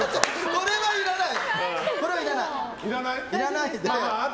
これはいらない。